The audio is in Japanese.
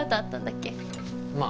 まあ。